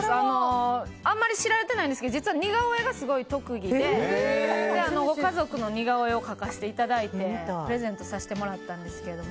あまり知られてないんですけど実は似顔絵が特技でご家族の似顔絵を描かせていただいてプレゼントをさせてもらったんですけど。